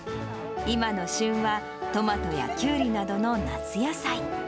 今の旬はトマトやきゅうりなどの夏野菜。